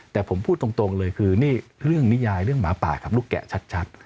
แต่ผมพูดตรงเลยคือนี่เรื่องนิยายเรื่องหมาป่ากับลูกแกะชัด